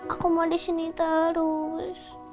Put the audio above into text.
aku mau disini terus